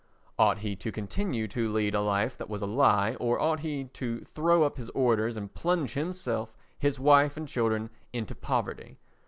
Ought he to continue to lead a life that was a lie or ought he to throw up his orders and plunge himself, his wife and children into poverty?